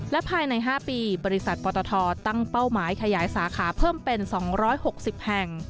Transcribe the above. และภายใน๕ปีบริษัทปตทตั้งเป้าหมายขยายสาขาเพิ่มเป็น๒๖๐แห่ง